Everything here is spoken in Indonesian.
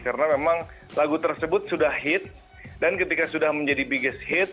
karena memang lagu tersebut sudah hit dan ketika sudah menjadi biggest hit